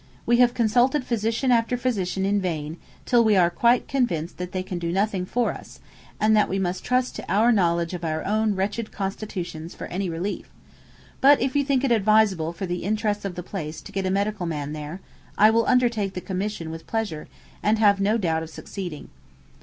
We have consulted physician after physician in vain, till we are quite convinced that they can do nothing for us, and that we must trust to our knowledge of our own wretched constitutions for any relief; but if you think it advisable for the interests of the place to get a medical man there, I will undertake the commission with pleasure, and have no doubt of succeeding.